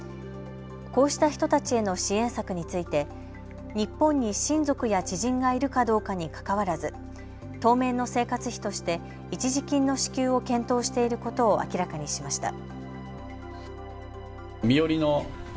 こうした人たちへの支援策について日本に親族や知人がいるかどうかにかかわらず当面の生活費として一時金の支給を検討していることを明らかにしました。